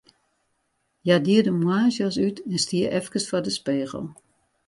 Hja die de moarnsjas út en stie efkes foar de spegel.